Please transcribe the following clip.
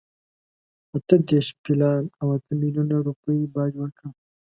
اته دېرش پیلان او اته میلیونه روپۍ باج ورکړ.